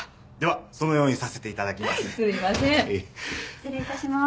・失礼いたします。